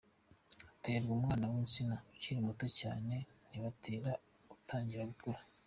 Haterwa umwana w’insina ukiri muto cyane, ntibatera utangiye gukura.